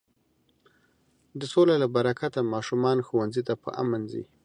د سولې له برکته ماشومان ښوونځي ته په امن ځي.